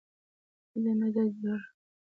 په ده نه ده جوړه.